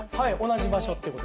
同じ場所って事？